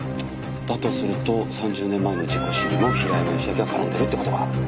だとすると３０年前の事故死にも平山義昭は絡んでるって事か？